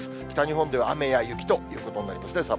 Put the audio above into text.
北日本では雨や雪ということになりますね。